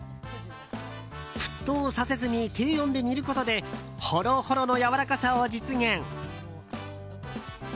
沸騰させずに低温で煮ることでほろほろのやわらかさを実現。